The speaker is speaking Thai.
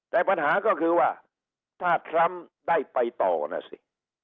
แต่ปัญหาก็คือว่าถ้าทรัมป์ได้ไปต่อนะสิ